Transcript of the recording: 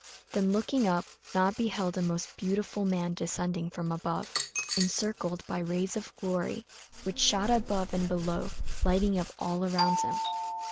Then, looking up, Na beheld a most beautiful man descending from above, encircled by rays of glory, which shot forth above and below, lighting up all around him.